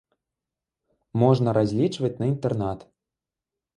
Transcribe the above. Можна разлічваць на інтэрнат.